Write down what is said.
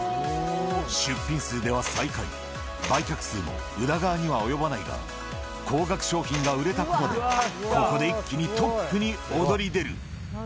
出品数では最下位、売却数も宇田川には及ばないが、高額商品が売れたことで、ここで一気にトップに躍り出る。